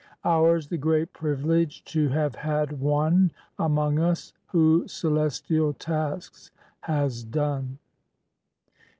Ours the great privilege to have had one Among us who celestial tasks has done.